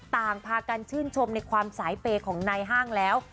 ต่างพากันชื่นชมในความสายเปย์ของนายห้างแล้ว